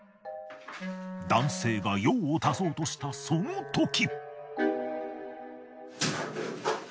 男性が用を足そうとしたそのとき。